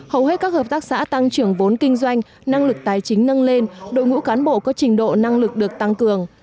hầu hết các hợp tác xã tăng trưởng vốn kinh doanh năng lực tài chính nâng lên đội ngũ cán bộ có trình độ năng lực được tăng cường